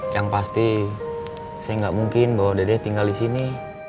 yang pasti saya gak mungkin bahwa dedek tinggal disini